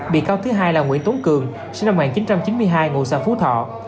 bị cao thứ hai là nguyễn tốn cường sinh năm một nghìn chín trăm chín mươi hai ngụ xã phú thọ